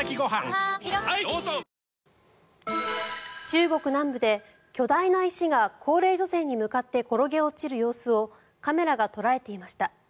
中国南部で巨大な石が高齢女性に向かって転げ落ちる様子をカメラが捉えていました。